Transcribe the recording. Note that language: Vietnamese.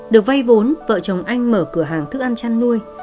được vay vốn vợ chồng anh mở cửa hàng thức ăn chăn nuôi